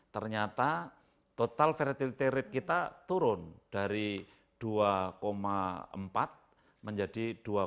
ternyata total fertility rate kita turun dari dua empat menjadi dua puluh